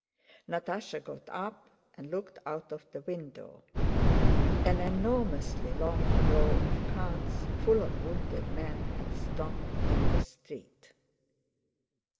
Natásha got up and looked out of the window. An enormously long row of carts full of wounded men had stopped in the street.